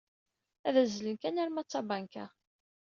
Ad azzlen kan arma d tabanka.